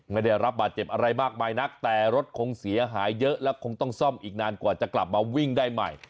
ไม่ได้รับบาดเจ็บอะไรมากมายนักแต่รถคงเสียหายเยอะและคงต้องซ่อมอีกนานกว่าจะกลับมาวิ่งได้ใหม่